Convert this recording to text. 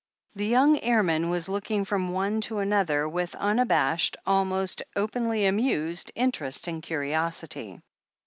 The young airman was looking from one to another with unabashed, almost openly amused interest and curiosity.